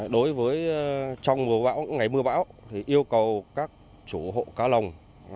đối với trong mùa bão ngày mưa bão thì yêu cầu các chủ hộ cá lồng